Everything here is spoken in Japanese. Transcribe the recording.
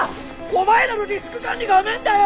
お前らのリスク管理があめぇんだよ！